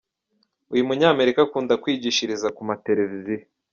Uyu munya Amerika akunda kwigishiriza ku mateleviziyo.